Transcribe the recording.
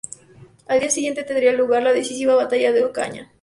Al día siguiente tendría lugar la decisiva batalla de Ocaña.